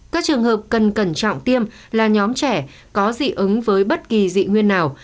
các trường hợp cần cẩn trọng tiêm là nhóm trẻ có dị ứng với bất kỳ dị nguyên nào